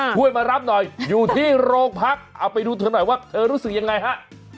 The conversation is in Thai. ช่วยมารับหน่อยอยู่ที่โรงพักเอาไปดูเธอหน่อยว่าเธอรู้สึกยังไงฮะ